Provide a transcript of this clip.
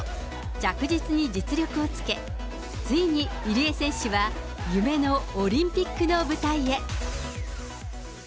着実に実力をつけ、ついに入江選手は、夢のオリンピックの舞台へ。